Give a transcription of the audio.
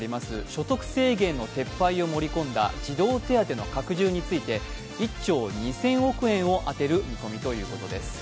所得制限の撤廃を盛り込んだ児童手当の拡充について１兆２０００億円を充てる見込みということです。